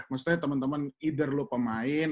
maksudnya temen temen either lu pemain